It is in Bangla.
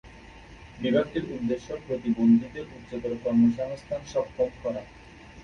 বিভাগটির উদ্দেশ্য প্রতিবন্ধীদের উচ্চতর কর্মসংস্থান সক্ষম করা।